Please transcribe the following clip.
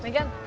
udah udah udah